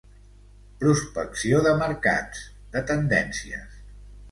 Prospecció de mercats, de tendències.